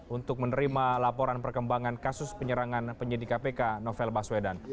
untuk menerima laporan perkembangan kasus penyerangan penyidik kpk novel baswedan